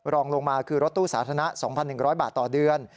รองลงมาคือรถตู้สาธารณะ๒๑๐๐บาทต่อเดือน